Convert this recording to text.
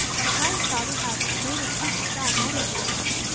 Lepine's father had 'made his peace with God long before!'